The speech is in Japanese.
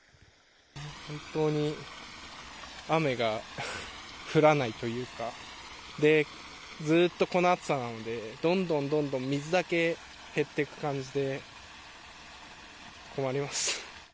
一向に雨が降らないというか、で、ずっとこの暑さなので、どんどんどんどん水だけ減っていく感じで、困ります。